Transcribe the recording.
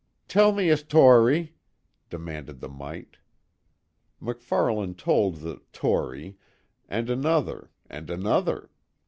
"Tell me a 'tory," demanded the mite. MacFarlane told the "'tory" and another, and another.